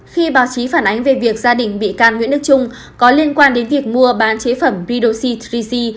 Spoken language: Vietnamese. khi báo chí phản ánh về việc gia đình bị can nguyễn đức trung có liên quan đến việc mua bán chế phẩm bridosy ba c